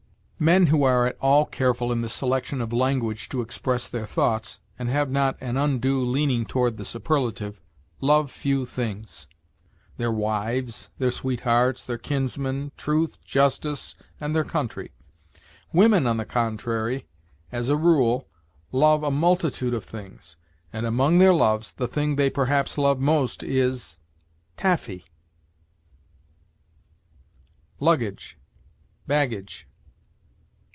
Men who are at all careful in the selection of language to express their thoughts, and have not an undue leaning toward the superlative, love few things: their wives, their sweethearts, their kinsmen, truth, justice, and their country. Women, on the contrary, as a rule, love a multitude of things, and, among their loves, the thing they perhaps love most is taffy. LUGGAGE BAGGAGE.